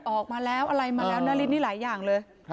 ออกมาแล้วอะไรมาแล้วนาริสนี่หลายอย่างเลย